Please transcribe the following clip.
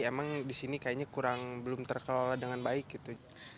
emang disini kayaknya kurang belum terkelola dengan baik gitu